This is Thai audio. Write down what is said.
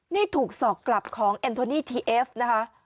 นี่ถูกสอกกลับของเอ็นโทนี่ทีเอฟนะคะ